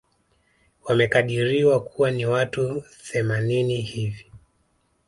Wamekadiriwa kuwa ni watu themanini hivi